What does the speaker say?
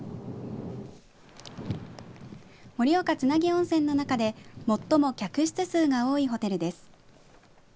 つなぎ温泉の中で最も客室数が多いホテルです。